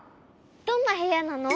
どんなへやなの？